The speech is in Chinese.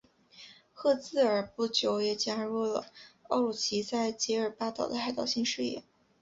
赫兹尔不久也加入了奥鲁奇在杰尔巴岛的海盗新事业。